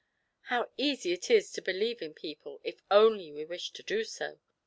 How easy it is to believe in people, if only we wish to do so!